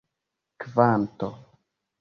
kvanto